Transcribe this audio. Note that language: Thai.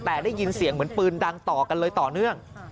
แต่ได้ยินเสียงเหมือนปืนดังต่อกันเลยต่อเนื่อง